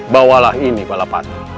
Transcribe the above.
bawalah ini balapan